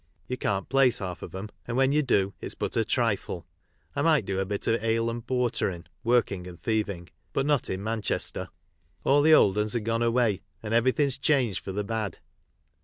You can't place half of 'em, and when you do it's but a trifle. I might do a bit o' " ale and portering" (working and thieving), but not in Manchester. All the old *uns are gone away, and everything's changed for the bad."